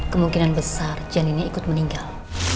kemungkinan besar janinnya ikut meninggal